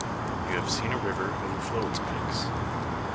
You have seen a river overflow its banks.